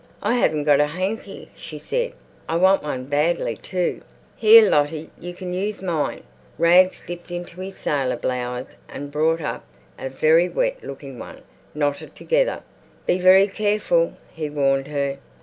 "I haven't got a hanky," she said; "I want one badly, too." "Here, Lottie, you can use mine." Rags dipped into his sailor blouse and brought up a very wet looking one, knotted together. "Be very careful," he warned her.